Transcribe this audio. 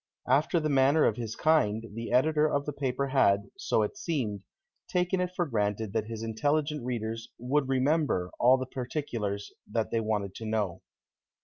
After the manner of his kind, the editor of the paper had, so it seemed, taken it for granted that his intelligent readers "would remember" all the particulars that they wanted to know.